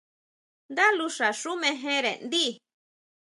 Ndá luxa xú mejere ndíi.